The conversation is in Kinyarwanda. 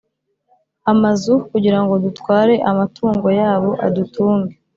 amazu kugira ngo dutware amatungo yabo adutunge: